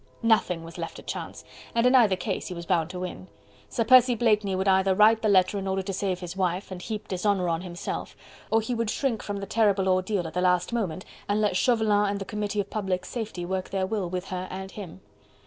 nothing was left to chance, and in either case he was bound to win. Sir Percy Blakeney would either write the letter in order to save his wife, and heap dishonour on himself, or he would shrink from the terrible ordeal at the last moment and let Chauvelin and the Committee of Public Safety work their will with her and him.